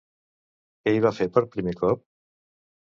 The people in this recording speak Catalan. Què hi va fer per primer cop?